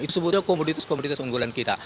itu sebutnya komoditas komoditas unggulan kita